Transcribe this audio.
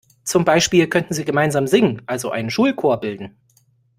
Zum Beispiel könnten sie gemeinsam singen, also einen Schulchor bilden.